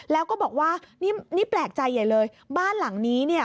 แล้วก็บอกว่านี่นี่แปลกใจใหญ่เลยบ้านหลังนี้เนี่ย